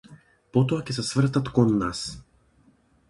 Потоа ќе се свртат кон нас.